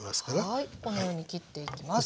はいこのように切っていきます。